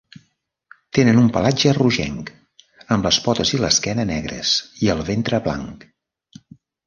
Tenen un pelatge rogenc, amb les potes i l'esquena negres i el ventre blanc.